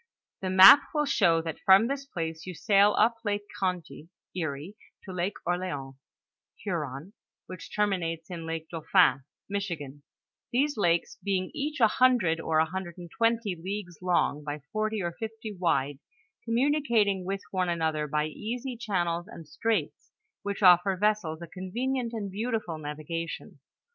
The map will show that from this place you sail up Lake Conty (Erie), to Lake Orleans (Huron), which terminates in Lake Dauphin (Michigan) ; these lakes being each a hundred, or a hundred and twenty leagues long, by forty or fifty wide, communicating with one another by easy channels and straits, which offer essels a convenient and beautiful navigation.